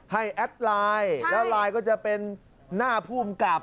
แอดไลน์แล้วไลน์ก็จะเป็นหน้าผู้กำกับ